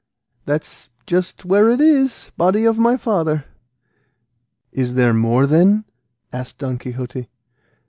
"That's just where it is, body of my father!" "Is there more, then?" asked Don Quixote.